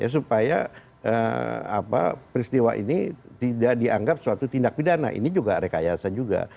supaya peristiwa ini tidak dianggap suatu tindak pidana ini juga rekayasa juga